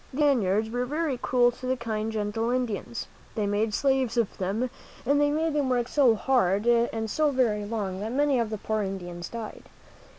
These Spaniards were very cruel to the kind, gentle Indians. They made slaves of them, and they made them work so very hard and so very long that many of the poor Indians died.